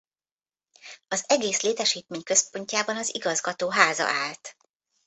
Az egész létesítmény központjában az igazgató háza állt.